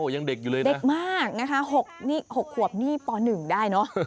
ยังเด็กอยู่เลยนะเด็กมากนะคะ๖ขวบนี่ป๑ได้เนอะ